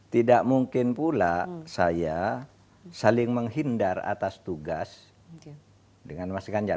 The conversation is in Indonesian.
tidak mungkin pula saya saling menghindar atas tugas dengan mas ganjar